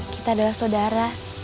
kita adalah sodara